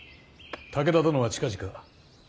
武田殿は近々嫡男